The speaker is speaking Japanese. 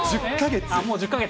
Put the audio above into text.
１０か月。